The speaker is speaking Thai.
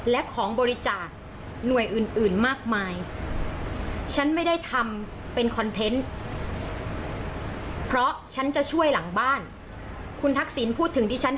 แล้วของพิมพ์เรียบร้ายก็บอกอีกด้วย